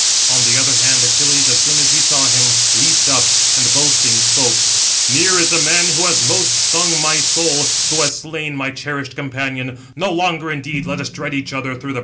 On the other hand, Achilles, as soon as he saw him, leaped up, and boasting, spoke: "Near is the man who has most stung my soul, who has slain my cherished companion; no longer indeed let us dread each other through the bridges 667 of war."